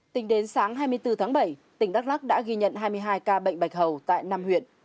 tính đến sáng hai mươi bốn tháng bảy tỉnh đắk lắc đã ghi nhận hai mươi hai ca bệnh bạch hầu tại năm huyện